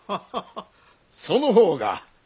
その方が。